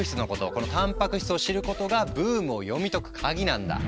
このたんぱく質を知ることがブームを読み解く鍵なんだ。